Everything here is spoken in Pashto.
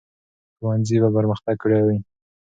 ښوونځي به پرمختګ کړی وي.